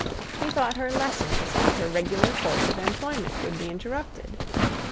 He thought her lessons and her regular course of employment would be interrupted.